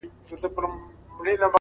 • درد وچاته نه ورکوي؛